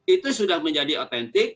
itu sudah menjadi otentik